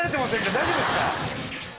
大丈夫ですか？